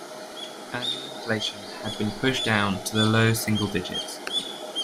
Annual inflation had been pushed down to the low single digits.